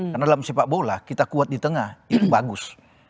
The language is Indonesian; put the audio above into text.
karena dalam sepak bola kita kuat di tengah itu bagus